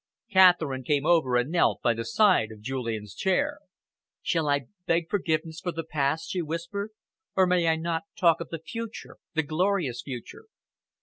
Catherine came over and knelt by the side of Julian's chair. "Shall I beg forgiveness for the past," she whispered, "or may I not talk of the future, the glorious future?"